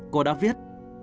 cô đã viết